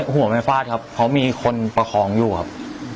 หัวไม่ฟาดครับเพราะมีคนประคองอยู่ครับ